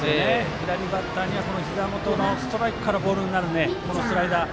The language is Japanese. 左バッターには、ひざ元のストライクからボールになるボール。